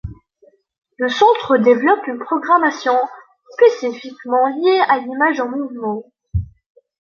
Le Centre développe une programmation spécifiquement liée à l'image en mouvement.